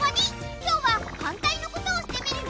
今日は反対のことをしてみるよ。